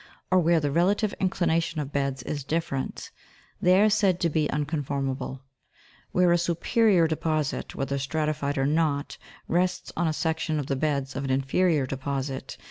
297), or where the relative inclination of beds is different, as at a and b (Jig. 298), they are said to be uncon forrnable. Where a superior deposit, whether stratified or not, rests on a section of the beds of an inferior deposit (Jig.